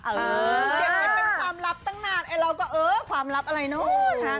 เก็บไว้เป็นความลับตั้งนานไอ้เราก็เออความลับอะไรเนอะ